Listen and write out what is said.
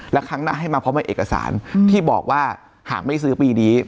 แล้วครั้งหน้าให้มาพร้อมกับเอกสารที่บอกว่าหากไม่ซื้อปีนี้